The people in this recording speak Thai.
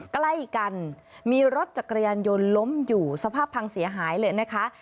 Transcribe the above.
ใกล้กันมีรถจักรยานยนต์ล้มอยู่สภาพพังเสียหายเลยนะคะ